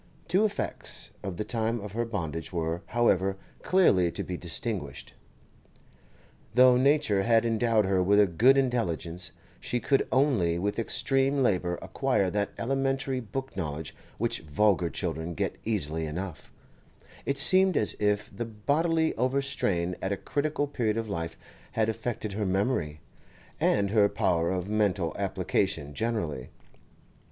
Two effects of the time of her bondage were, however, clearly to be distinguished. Though nature had endowed her with a good intelligence, she could only with extreme labour acquire that elementary book knowledge which vulgar children get easily enough; it seemed as if the bodily overstrain at a critical period of life had affected her memory, and her power of mental application generally.